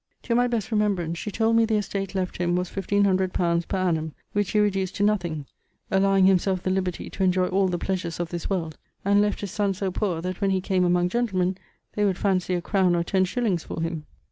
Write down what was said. To my best remembrance, she told me the estate left him was 1500 li. per annum, which he reduced to nothing (alloweing himselfe the libertie to enjoy all the pleasures of this world), and left his sonne so poor, that when he came among gentlemen, they would fancy a crowne or ten shillings for him.